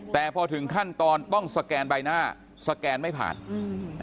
แต่พอถึงขั้นตอนต้องสแกนใบหน้าสแกนไม่ผ่านอืม